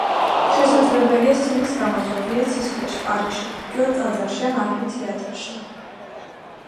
შესაძლებელია სცენის გამართვა ღია ცის ქვეშ, პარკში, ძველ ტაძარში ან ამფითეატრში.